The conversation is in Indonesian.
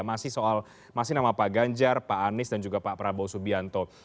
masih soal masih nama pak ganjar pak anies dan juga pak prabowo subianto